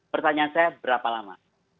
pertanyaan saya berapa lama